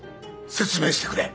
説明してくれ。